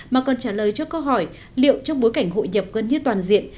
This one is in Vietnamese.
mà còn trả lời cho câu hỏi liệu trong bối cảnh hội nhập gần như toàn diện